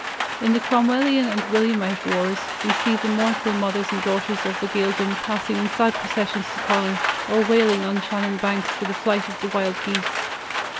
In the Cromwellian and Williamite wars, we see the mournful mothers and daughters of the Gaeldom passing in sad procession to Connacht, or wailing on Shannon banks for the flight of the "Wild Geese."